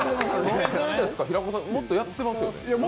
平子さん、もっとやってますよね？